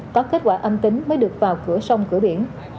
có kết quả âm tính mới được vào cửa sông cửa biển